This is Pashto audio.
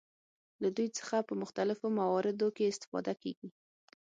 له دوی څخه په مختلفو مواردو کې استفاده کیږي.